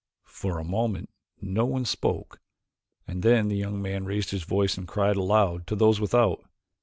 For a moment no one spoke and then the young man raised his voice and cried aloud to those without.